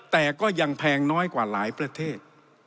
แต่ก็ยังแพงน้อยกว่าหลายประเทศ